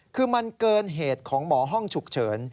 คือมันเกินเหตุของหมอห้องฉุกเฉิน